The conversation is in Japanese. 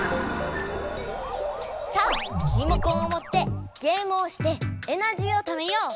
さあリモコンをもってゲームをしてエナジーをためよう！